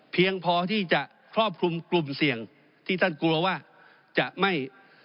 เพียงพอที่จะครอบคลุมกลุ่มเสี่ยงที่ท่านกลัวว่าจะไม่